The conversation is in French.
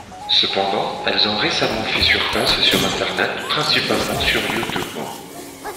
Cependant, elles ont récemment fait surface sur internet, principalement sur YouTube.